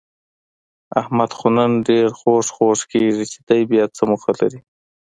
احمد خو نن ډېر خوږ خوږ کېږي، چې دی بیاڅه موخه لري؟